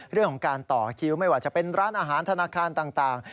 เรื่องของการต่อคิวไม่ว่าจะเป็นร้านอาหารธนาคารต่าง